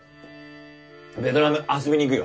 ベトナム遊びに行くよ。